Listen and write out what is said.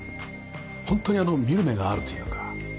ホントに見る目があるというか。